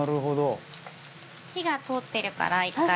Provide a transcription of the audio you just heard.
火が通ってるから１回。